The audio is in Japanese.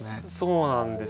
そうなんですよ。